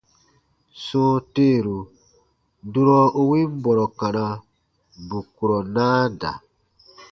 Sɔ̃ɔ teeru, durɔ u win bɔrɔ kana, bù kurɔ naa da.